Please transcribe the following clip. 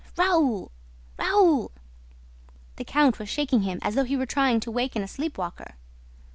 Raoul! Raoul!" The count was shaking him as though he were trying to waken a sleep walker.